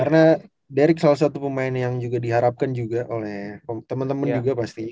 karena derick salah satu pemain yang juga diharapkan juga oleh teman teman juga pasti